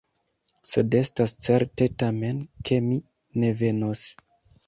Sed estas certe, tamen, ke mi ne venos.